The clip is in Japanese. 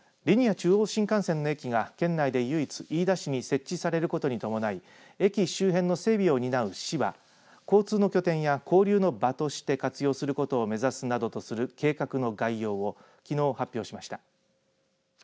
中央新幹線の駅が県内で唯一、飯田市に設置されることに伴い駅周辺の整備を担う市は交通の拠点や交流の場として活用することを目指すなどとする計画の概要をきのう発表しました。